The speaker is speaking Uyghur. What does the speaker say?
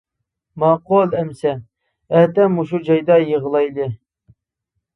-ماقۇل ئەمسە، ئەتە مۇشۇ جايدا يىغىلايلى!